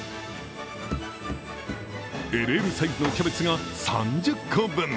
ＬＬサイズのキャベツが３０個分。